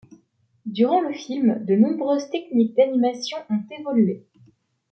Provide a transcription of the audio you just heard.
Durant le film de nombreuses techniques d'animation ont évolué.